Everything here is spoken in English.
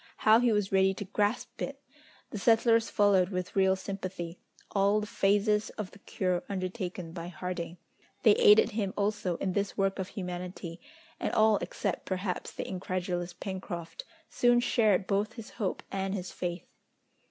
How he was ready to grasp it! The settlers followed with real sympathy all the phases of the cure undertaken by Harding. They aided him also in this work of humanity, and all, except perhaps the incredulous Pencroft, soon shared both his hope and his faith.